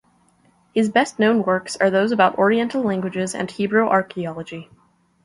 His best-known works are those about oriental languages and Hebrew archaeology.